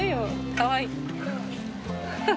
かわいい。